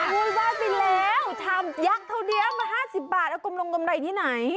พูดว่าไปแล้วทำยักษ์เท่าเดียวมัน๕๐บาทเอากำลังกำไรที่ไหน